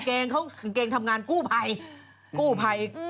กลางกันแล้วก็กางเกงทำงานกู้ไภ